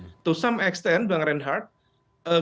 untuk beberapa ekstern bang reinhardt